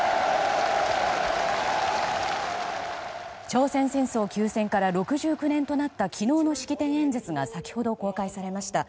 朝鮮戦争休戦から６９年となった昨日の式典演説が先ほど公開されました。